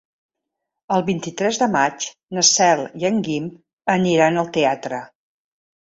El vint-i-tres de maig na Cel i en Guim aniran al teatre.